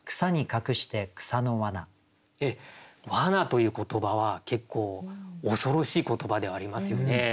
「罠」という言葉は結構恐ろしい言葉ではありますよね。